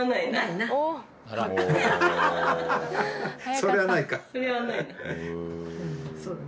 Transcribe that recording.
それはない。